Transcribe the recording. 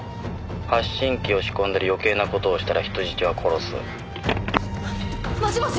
「発信器を仕込んだり余計な事をしたら人質は殺す」もしもし！？